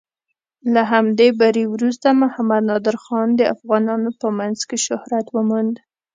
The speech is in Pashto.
له همدې بري وروسته محمد نادر خان د افغانانو په منځ کې شهرت وموند.